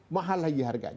mahal lagi harganya